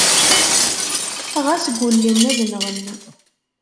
Ɣas gullen ad nɣen.